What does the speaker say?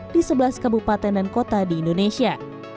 di sebelas kabupaten dan kota di indonesia